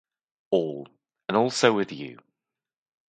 All: And also with you.